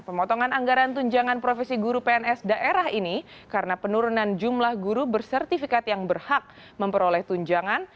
pemotongan anggaran tunjangan profesi guru pns daerah ini karena penurunan jumlah guru bersertifikat yang berhak memperoleh tunjangan